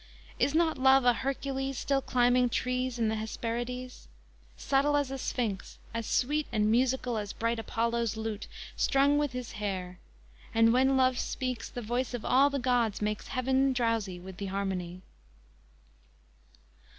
Is not Love a Hercules Still climbing trees in the Hesperides? Subtle as a sphinx; as sweet and musical As bright Apollo's lute, strung with his hair And when Love speaks, the voice of all the gods Makes heaven drowsy with the harmony!"